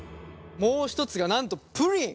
もう一つがなんとプリン。